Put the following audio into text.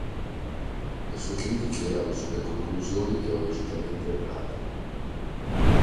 Le sue critiche erano sulle conclusioni teologicamente errate.